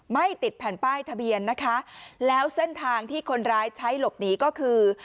ไม่ติดแผ่นป้ายทะเบียนนะคะแล้วเส้นทางที่คนร้ายใช้หลบหนีก็คือ